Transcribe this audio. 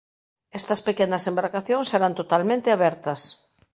Estas pequenas embarcacións eran totalmente abertas.